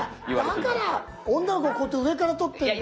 だから女の子こうやって上から撮ってるんだ。